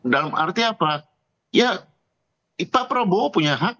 dalam arti apa ya pak prabowo punya hak